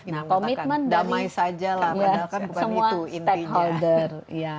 nah komitmen dari semua stakeholder